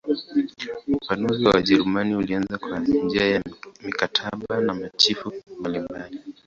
Upanuzi wa Wajerumani ulianza kwa njia ya mikataba na machifu mbalimbali.